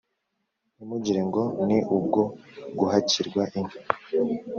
ntimugire ngo ni ubwo guhakirwa inka